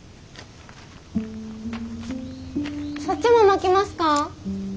そっちもまきますか？